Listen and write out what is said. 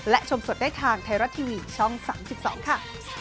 และชมสดได้ทางไทยรัฐทีวีช่อง๓๒ค่ะ